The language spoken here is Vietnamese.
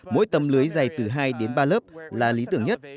mỗi tấm lưới dày từ hai đến ba lớp là lý tưởng nhất